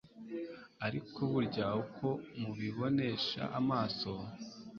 ariko burya uko mubibonesha amaso